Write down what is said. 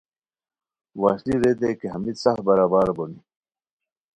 وشلی ریتائے کی ہمیت سف برابر بونی